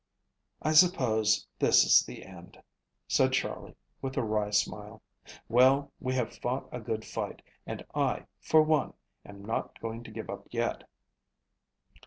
"I suppose this is the end," said Charley, with a wry smile. "Well, we have fought a good fight, and I, for one, am not going to give up yet."